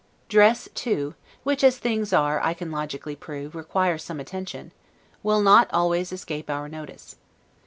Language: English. Dress too (which, as things are, I can logically prove, requires some attention) will not always escape our notice.